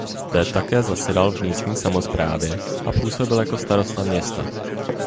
Zde také zasedal v místní samosprávě a působil jako starosta města.